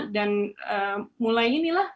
dan mulai inilah